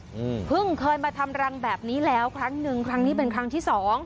อืมเพิ่งเคยมาทำรังแบบนี้แล้วครั้งหนึ่งครั้งนี้เป็นครั้งที่สอง